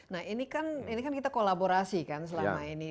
nah ini kan kita kolaborasi kan selama ini